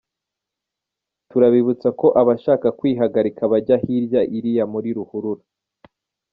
Turabibutsa ko abashaka kwihagarika bajya hirya iriya muri ruhurura.